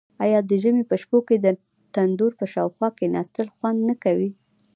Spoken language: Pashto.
آیا د ژمي په شپو کې د تندور په شاوخوا کیناستل خوند نه کوي؟